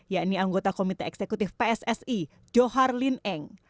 yakni anggota komite eksekutif pssi johar lin eng